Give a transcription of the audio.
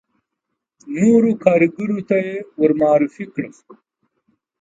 نورو کاریګرو ته یې ور معرفي کړم.